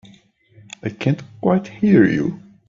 I can't quite hear you.